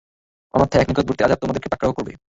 অন্যথায় এক নিকটবর্তী আযাব তোমাদেরকে পাকড়াও করবে।